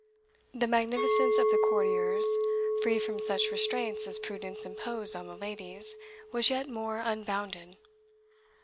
The magnificence of the courtiers, free from such restraints as prudence imposed on the ladies, was yet more unbounded.